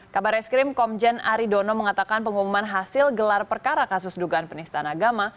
kabar eskrim komjen aridono mengatakan pengumuman hasil gelar perkara kasus dugaan penistaan agama